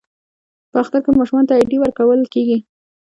په اختر کې ماشومانو ته ایډي ورکول کیږي.